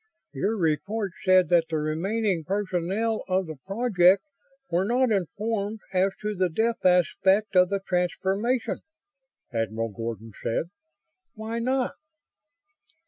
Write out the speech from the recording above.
"Your report said that the remaining personnel of the Project were not informed as to the death aspect of the transformation," Admiral Gordon said. "Why not?"